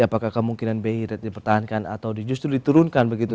apakah kemungkinan bi rate dipertahankan atau justru diturunkan begitu